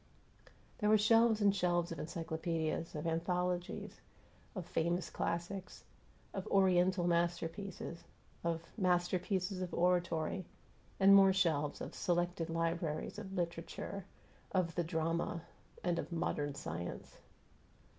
There were shelves and shelves of encyclopedias, of anthologies, of "famous classics," of "Oriental masterpieces," of "masterpieces of oratory," and more shelves of "selected libraries" of "literature," of "the drama," and of "modern science."